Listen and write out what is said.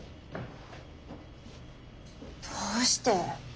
どうして？